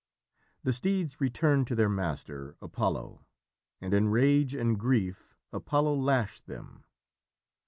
The steeds returned to their master, Apollo, and in rage and grief Apollo lashed them.